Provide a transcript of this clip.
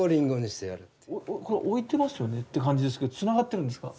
これ置いてますよねって感じですけどつながってるんですか？